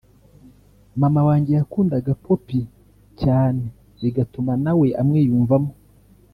Mama wanjye yakundaga Poppy cyane bigatuma nawe amwiyumvamo